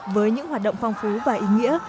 với những hoạt động phong phú và ý nghĩa